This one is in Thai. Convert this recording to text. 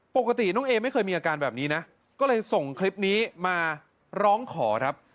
ปกติน้องเอไม่เคยมีอาการแบบนี้นะก็เลยส่งคลิปนี้มาร้องขอครับ